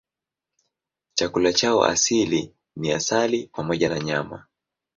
Chakula chao asili ni asali pamoja na nyama.